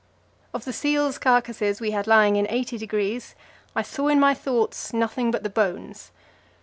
Of the seals' carcasses we had lying in 80°, I saw in my thoughts nothing but the bones.